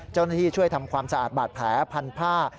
เจ้าหน้าที่ช่วยทำความสะอาดบาดแผลพันผ้า